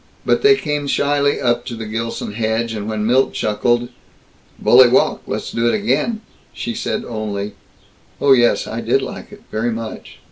But they came shyly up to the Gilson hedge, and when Milt chuckled, "Bully walk; let's do it again," she said only, "Oh, yes, I did like it. Very much."